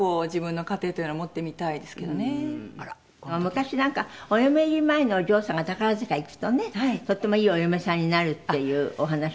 「昔なんかお嫁入り前のお嬢さんが宝塚行くとねとってもいいお嫁さんになるっていうお話もあったぐらい」